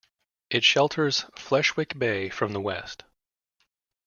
It shelters Fleshwick Bay from the west.